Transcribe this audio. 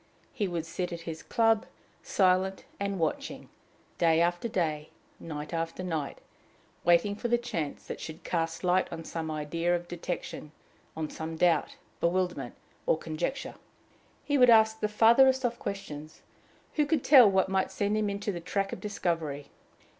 He would sit at his club, silent and watching, day after day, night after night, waiting for the chance that should cast light on some idea of detection, on some doubt, bewilderment, or conjecture. He would ask the farthest off questions: who could tell what might send him into the track of discovery?